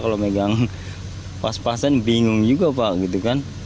kalau megang pas pasan bingung juga pak gitu kan